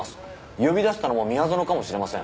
呼び出したのも宮園かもしれません。